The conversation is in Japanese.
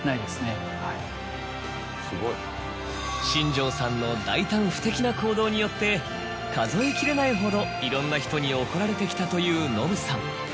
新庄さんの大胆不敵な行動によって数えきれないほどいろんな人に怒られてきたというのぶさん。